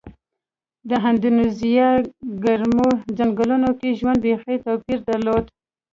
د اندونیزیا ګرمو ځنګلونو کې ژوند بېخي توپیر درلود.